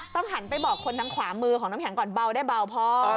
ต้องหันไปบอกคนทั้งขวามือของต้มแหงก่อนเบาได้เบาพอ